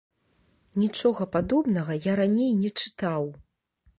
Нічога падобнага я раней не чытаў.